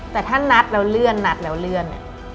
แต่ถ้านัดแล้วเลื่อนนัดแล้วเลื่อนเนี่ย